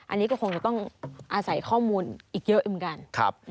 อันนี้ก็คงจะต้องอาศัยข้อมูลอีกเยอะเหมือนกัน